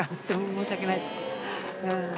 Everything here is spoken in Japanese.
申し訳ないですけど。